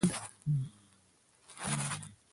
بامیان د ټولو افغان ماشومانو د زده کړې یوه لویه موضوع ده.